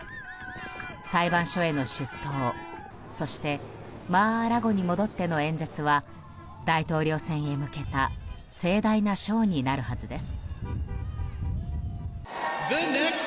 裁判所への出頭、そしてマー・ア・ラゴに戻っての演説は大統領選へ向けた盛大なショーになるはずです。